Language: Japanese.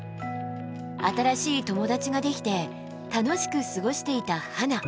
新しい友だちができて楽しく過ごしていたハナ。